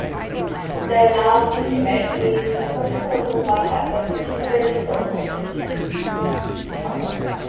The noun "intimate" means a person with whom one has a particularly close relationship.